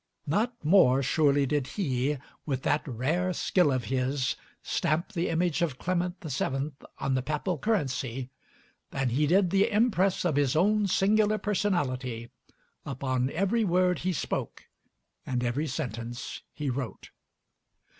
Not more surely did he, with that rare skill of his, stamp the image of Clement VII. on the papal currency, than he did the impress of his own singular personality upon every word he spoke and every sentence he wrote.